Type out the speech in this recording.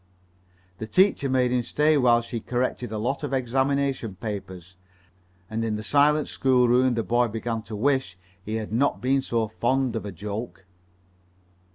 The teacher made him stay while she corrected a lot of examination papers, and in the silent schoolroom the boy began to wish he had not been so fond of a "joke."